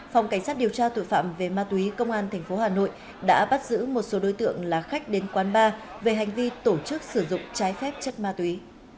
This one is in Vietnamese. phòng cảnh sát điều tra tội phạm về ma túy công an tp hà nội đã bắt giữ một số đối tượng là khách đến quán ba về hành vi tổ chức sử dụng trái phép chất ma túy